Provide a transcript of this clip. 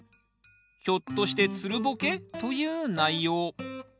ひょっとしてつるボケ？という内容。